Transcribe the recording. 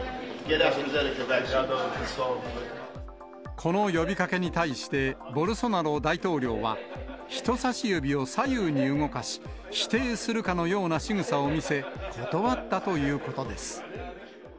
この呼びかけに対してボルソナロ大統領は人差し指を左右に動かし、否定するかのようなしぐさを見せ、断ったということです。